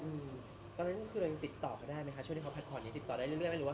ตอนนี้คือเรายังติดต่อก็ได้ไหมคะช่วงที่เค้าพัดข่อนนี้ติดต่อได้เรื่อยไหม